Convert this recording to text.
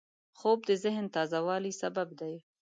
خوب د ذهن تازه والي سبب دی